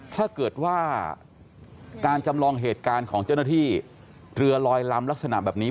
ถ้าเกิดว่าการจำลองเหตุการณ์ของเจ้าหน้าที่เรือลอยลำลักษณะแบบนี้